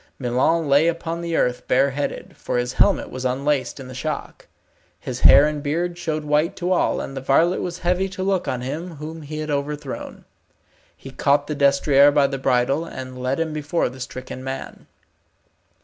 Milon lay upon the earth bareheaded, for his helmet was unlaced in the shock. His hair and beard showed white to all, and the varlet was heavy to look on him whom he had overthrown. He caught the destrier by the bridle, and led him before the stricken man.